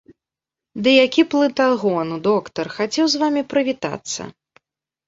Ды які плытагон доктар, хацеў з вамі прывітацца.